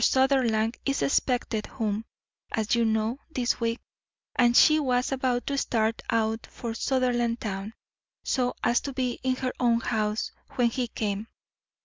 Sutherland is expected home, as you know, this week, and she was about to start out for Sutherlandtown so as to be in her own house when he came.